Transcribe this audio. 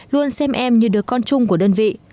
luôn xem em như đứa con chung của đơn vị